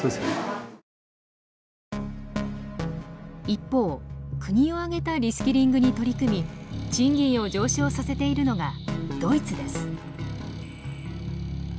一方国を挙げたリスキリングに取り組み賃金を上昇をさせているのがドイツです。